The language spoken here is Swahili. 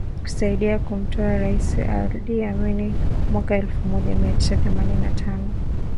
kusaidia kumtoa Rais Idi Amini mwaka elfu moja mia tisa themanini na tano